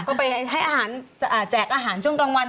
ก็ไปใช้อาหารแจกอาหารช่วงกลางวัน